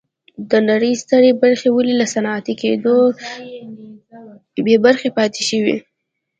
د نړۍ سترې برخې ولې له صنعتي کېدو بې برخې پاتې شوې.